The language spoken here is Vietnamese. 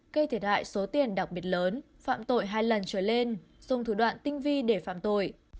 gây thiệt hại số tiền đặc biệt lớn phạm tội hai lần trở lên dùng thủ đoạn tinh vi để phạm tội